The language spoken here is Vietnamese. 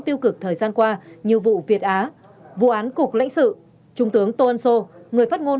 tiêu cực thời gian qua như vụ việt á vụ án cục lãnh sự trung tướng tô ân sô người phát ngôn